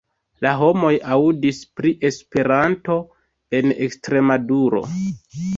La homoj aŭdis pri Esperanto en Ekstremaduro.